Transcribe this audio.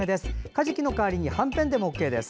かじきの代わりに、はんぺんでもＯＫです。